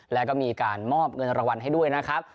แล้วก็มีการมอบเงินรางวัลให้ด้วยนะครับ